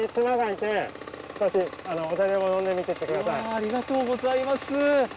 ありがとうございます。